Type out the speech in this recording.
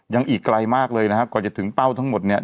อีกไกลมากเลยนะครับกว่าจะถึงเป้าทั้งหมดเนี่ย